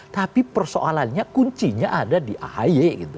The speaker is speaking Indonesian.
tapi persoalannya kuncinya ada di ahy gitu